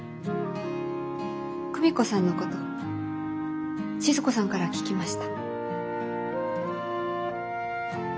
久美子さんのこと静子さんから聞きました。